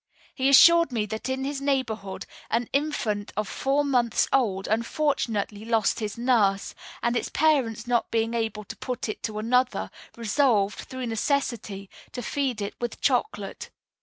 He assured me that in his neighborhood an infant of four months old unfortunately lost his nurse, and its parents not being able to put it to another, resolved, through necessity, to feed it with chocolate.